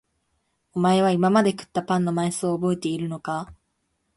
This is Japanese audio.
おまえは今まで食ったパンの枚数をおぼえているのか？